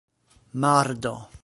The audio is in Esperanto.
mardo